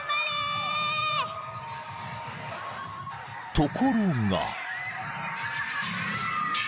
［ところが］